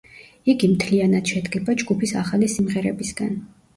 იგი მთლიანად შედგება ჯგუფის ახალი სიმღერებისგან.